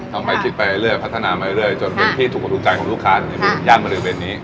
จะเอาไปคิดไปเรื่อยพัฒนาไปเรื่อยโดยเป็นที่ถูกคงรู้ใจของลูกค้านี้ยังมือเป็นมาฤบนี้